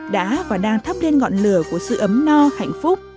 đã và đang thắp lên ngọn lửa của sự ấm no hạnh phúc